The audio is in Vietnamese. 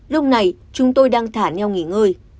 lúc này chúng tôi đang thả nhau nghỉ ngơi